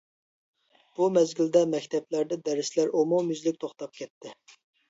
بۇ مەزگىلدە مەكتەپلەردە دەرسلەر ئومۇميۈزلۈك توختاپ كەتتى.